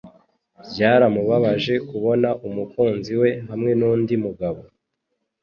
Byaramubabaje kubona umukunzi we hamwe nundi mugabo.